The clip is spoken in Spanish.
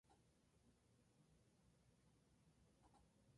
Se encuentra al norte de Argentina, con posible distribución en Bolivia.